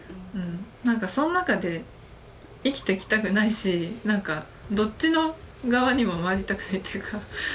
何かその中で生きてきたくないし何かどっちの側にも回りたくないっていうか。